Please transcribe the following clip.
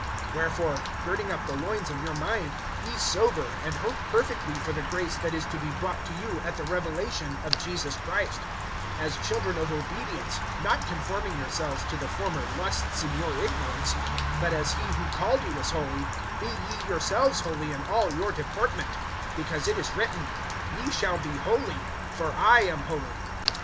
(13)Wherefore, girding up the loins of your mind, be sober, and hope perfectly for the grace that is to be brought to you at the revelation of Jesus Christ; (14)as children of obedience, not conforming yourselves to the former lusts in your ignorance; (15)but as he who called you is holy, be ye yourselves holy in all your deportment; (16)because it is written: Ye shall be holy, for I am holy.